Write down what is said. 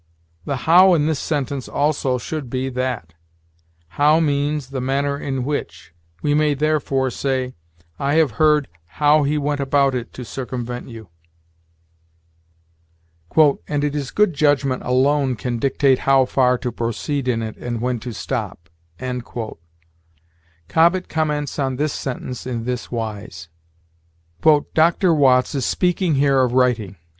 The how in this sentence also should be that. How means the manner in which. We may, therefore, say, "I have heard how he went about it to circumvent you." "And it is good judgment alone can dictate how far to proceed in it and when to stop." Cobbett comments on this sentence in this wise: "Dr. Watts is speaking here of writing.